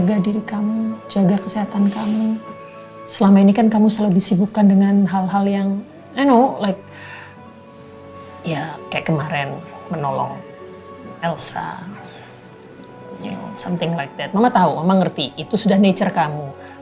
ada orang yang membimbangkan diri tetapi sama setiap diam